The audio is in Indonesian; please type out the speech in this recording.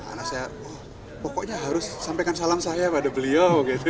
anak saya pokoknya harus sampaikan salam saya pada beliau